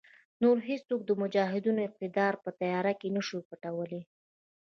نور هېڅوک د مجاهدینو اقتدار په تیاره کې نشي پټولای.